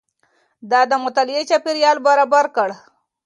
ده د مطالعې چاپېريال برابر کړ.